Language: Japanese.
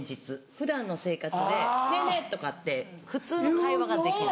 普段の生活で「ねぇねぇ」とかって普通の会話ができない。